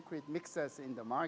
untuk mixer kongres di pasar